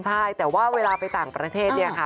ใช่แต่ว่าเวลาไปต่างประเทศเนี่ยค่ะ